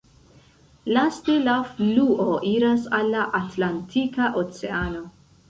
Laste la fluo iras al la Atlantika Oceano.